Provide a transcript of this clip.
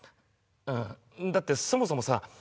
うんだってそもそもさ